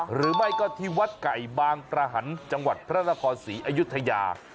หรือไม่ก็ที่วัดไก่บางกระหันจังหวัดพระนครศรีอยุธยา